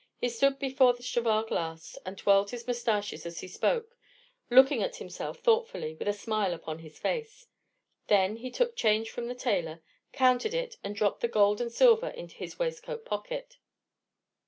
He stood before the cheval glass, and twirled his moustache as he spoke, looking at himself thoughtfully, with a smile upon his face. Then he took his change from the tailor, counted it, and dropped the gold and silver into his waistcoat pocket.